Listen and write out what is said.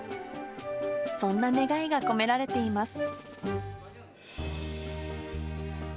そんな願いが込められています。